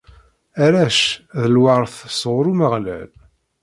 Arrac, d lweṛt sɣur Umeɣlal.